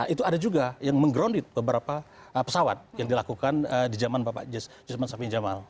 itu ada juga yang meng grounded beberapa pesawat yang dilakukan di zaman bapak yusman sabin jamal